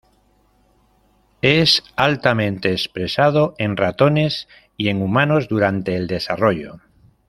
Es altamente expresado en ratones y en humanos durante el desarrollo.